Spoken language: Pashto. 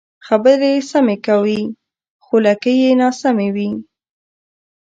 خبرې سمې کوې خو لکۍ یې ناسمې وي.